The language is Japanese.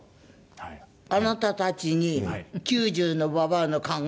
あなたたちに９０のばばあの考える事が。